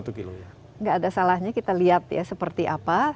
mungkin gak ada salahnya kita lihat ya seperti apa